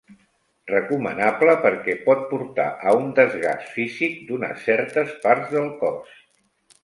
Recomanable perquè pot portar a un desgast físic d'unes certes parts del cos.